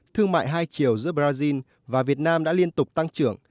thương mại hai chiều giữa brazil và việt nam đã liên tục tăng trưởng